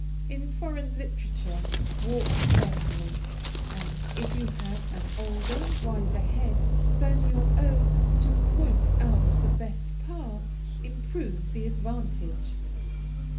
In foreign literature, walk carefully, and if you have an older, wiser head than your own to point out the best paths, improve the advantage.